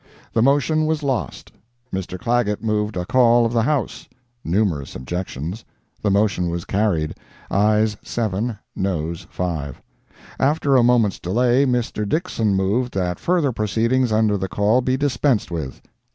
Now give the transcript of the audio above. ] The motion was lost. Mr. Clagett moved a call of the House. [Numerous objections.] The motion was carried—ayes 7, noes 5. After a moment's delay, Mr. Dixson moved that further proceedings under the call be dispensed with.